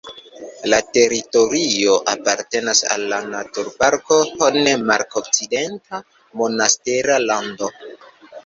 La teritorio apartenas al la naturparko Hohe Mark-Okcidenta Monastera Lando.